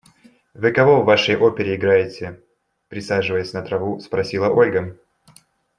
– Вы кого в вашей опере играете? – присаживаясь на траву, спросила Ольга.